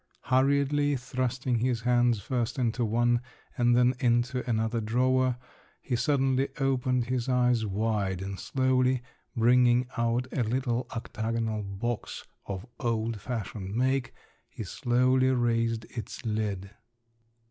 Hurriedly, thrusting his hands first into one, and then into another drawer, he suddenly opened his eyes wide, and slowly bringing out a little octagonal box of old fashioned make, he slowly raised its lid.